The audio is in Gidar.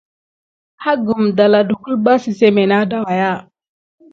Agum danla na kulɓa siseme nat da wakiya.